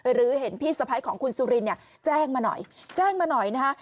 หรือเห็นพี่สะพ้ายของคุณสุรินเนี่ยแจ้งมาหน่อยแจ้งมาหน่อยนะฮะ